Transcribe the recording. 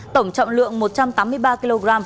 tổng trọng lượng một trăm tám mươi ba kg